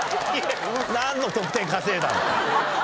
なんの得点稼いだの？